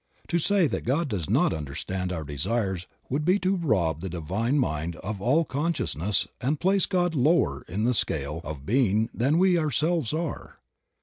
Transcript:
To say that God does not understand our desires would be to rob the divine mind of all conscious ness and place God lower in the scale of being than we ourselves are.